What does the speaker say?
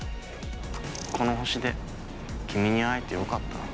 この星で君に会えてよかった。